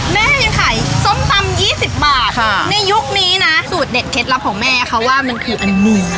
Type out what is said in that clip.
แม่ยังขายส้มตำ๒๐บาทในยุคนี้นะสูตรเด็ดเคล็ดลับของแม่เขาว่ามันคืออันนี้